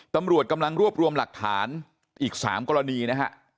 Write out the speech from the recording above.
ตำรวจกำลังรวบรวมหลักฐานอีก๓กรณีนะฮะ